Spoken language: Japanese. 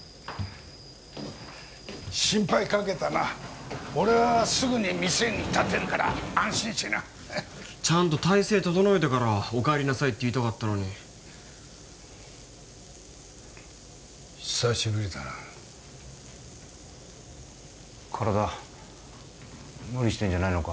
心配かけたな俺はすぐに店に立てるから安心しなちゃんと態勢整えてからお帰りなさいって言いたかったのに久しぶりだな体無理してんじゃないのか